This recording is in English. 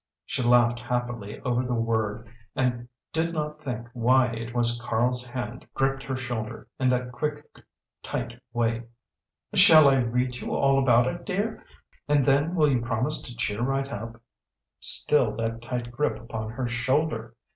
She laughed happily over the word and did not think why it was Karl's hand gripped her shoulder in that quick, tight way. "Shall I read you all about it, dear? And then will you promise to cheer right up?" Still that tight grip upon her shoulder!